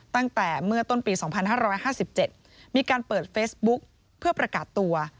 ตั้งแต่เมื่อต้นปี๒๕๕๗มีการเปิดเฟซบุ๊กเพื่อประกาศตัว